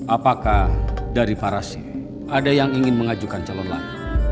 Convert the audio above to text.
apakah dari parasi ada yang ingin mengajukan calon lain